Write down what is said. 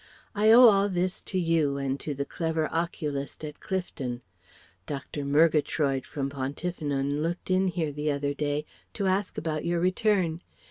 I owe all this to you and to the clever oculist at Clifton. Dr. Murgatroyd from Pontyffynon looked in here the other day, to ask about your return.